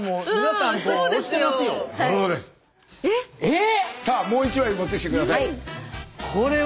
さあもう一枚持ってきて下さい。